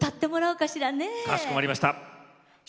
かしこまりました。